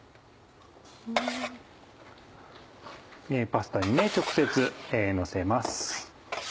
パスタに直接のせます。